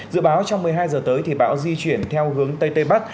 dự báo trong một mươi hai giờ tới thì bão di chuyển theo hướng tây tây bắc